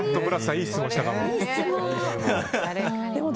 いい質問したかも。